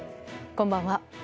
こんばんは。